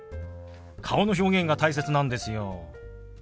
顔の表現が大切なんですよ。